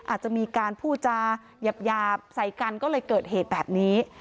อาจจะมีการพูดจาหยาบใส่กันก็เลยเกิดเหตุแบบนี้